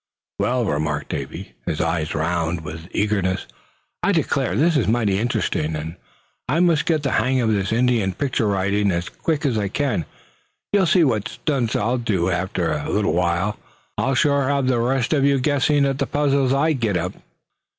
"Well," remarked Davy, his eyes round with eagerness; "I declare, this is mighty interesting; and I must get the hang of this Indian picture writing as quick as I can. You'll see what stunts I'll do after a little while. I'll sure have the rest of you guessing at the puzzles I get up."